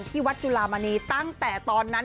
ที่วัดจุลามณีตั้งแต่ตอนนั้น